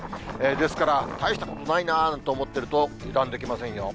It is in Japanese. ですから、たいしたことないななんて思ってると、油断できませんよ。